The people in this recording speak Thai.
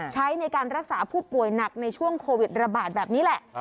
ใช้ในการรักษาผู้ป่วยหนักในช่วงโควิดระบาดแบบนี้แหละ